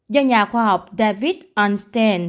do nhà khoa học david arnstein